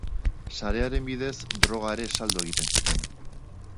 Sarearen bidez droga ere saldu egiten zuten.